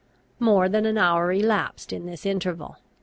More than an hour elapsed in this interval.